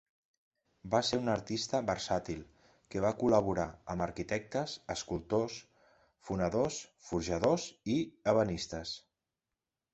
Va ser un artista versàtil que va col·laborar amb arquitectes, escultors, fonedors, forjadors i ebenistes.